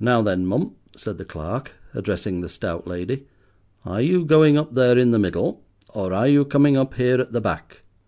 "Now then, mum," said the clerk, addressing the stout lady, "are you going up there in the middle, or are you coming up here at the back?"